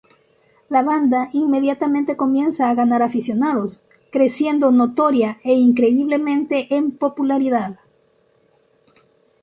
La banda inmediatamente comienza a ganar aficionados, creciendo notoria e increíblemente en popularidad.